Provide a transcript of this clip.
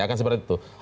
akan seperti itu